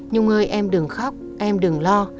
nhung ơi em đừng khóc em đừng lo